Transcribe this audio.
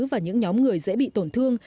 và những nhóm người dễ bị tổn thương